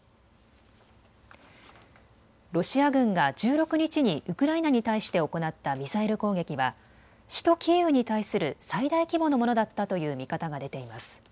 ロシア軍が１６日にウクライナに対して行ったミサイル攻撃は首都キーウに対する最大規模のものだったという見方が出ています。